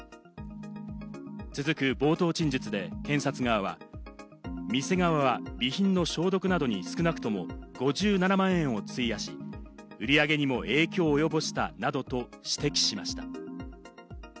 続く冒頭陳述で検察側は、店側は備品の消毒などに少なくとも５７万円を費やし、売り上げにも影響を及ぼしたなどと指摘しました。